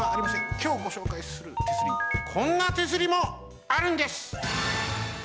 きょうごしょうかいする手すりこんな手すりもあるんです！